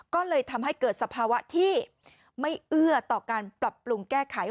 ก็เลยทำให้เกิดสภาวะที่ไม่เอื้อต่อการปรับปรุงแก้ไข